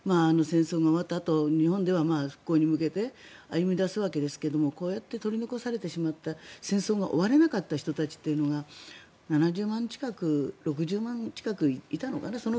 戦争が終わったあと、日本では復興に向けて歩み出すわけですがこうやって取り残されてしまった戦争が終われなかった人たちが７０万人近く６０万人近くいたのかな